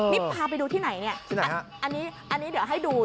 นี่พาไปดูที่ไหนเนี่ยอันนี้เดี๋ยวให้ดู